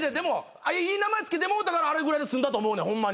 いい名前付けてもうたからあれぐらいで済んだと思うねん。